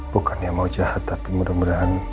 bukannya mau jahat tapi mudah mudahan